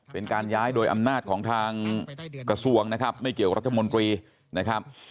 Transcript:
เป็นการย้ายโดยอำนาจของทางกระทรวงนะครับไม่เกี่ยวกับรัฐมนตรีนะครับ